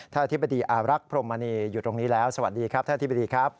อธิบดีอารักษ์พรมมณีอยู่ตรงนี้แล้วสวัสดีครับท่านอธิบดีครับ